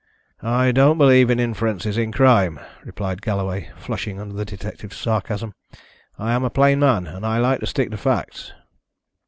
"I don't believe in inferences in crime," replied Galloway, flushing under the detective's sarcasm. "I am a plain man, and I like to stick to facts."